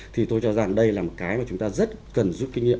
thì tôi cho rằng đây là một cái mà chúng ta rất cần rút kinh nghiệm